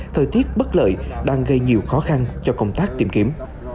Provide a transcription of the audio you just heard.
thời tiết bất lợi đang gây nhiều khó khăn cho công tác tìm kiếm